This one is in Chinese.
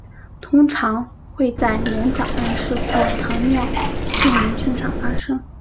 通常会在年长人士或糖尿病人身上发生。